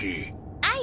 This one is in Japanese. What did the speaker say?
あい